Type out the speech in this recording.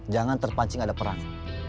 jangan terpancing ada perang